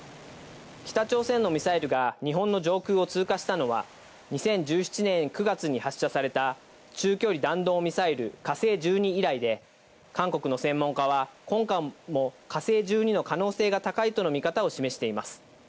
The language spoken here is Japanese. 北朝鮮のミサイルが日本の上空を通過したのは２０１７年９月に発射された中距離弾道ミサイル「火星１２」以来で、韓国の専門家は今回も「火星１２」の可能性が高いとの見方を示しています。